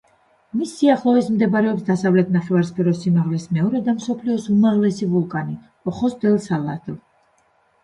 მის სიახლოვეს მდებარეობს დასავლეთ ნახევარსფეროს სიმაღლით მეორე და მსოფლიოს უმაღლესი ვულკანი ოხოს-დელ-სალადო.